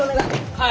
はい。